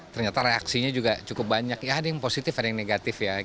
ternyata reaksinya juga cukup banyak ya ada yang positif ada yang negatif ya